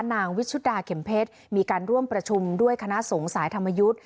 นางวิชุดาเข็มเพชรมีการร่วมประชุมด้วยคณะสงฆ์สายธรรมยุทธ์